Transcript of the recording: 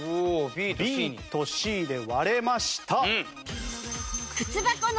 ＢとＣで割れました。